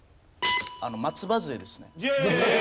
あの松葉杖ですね。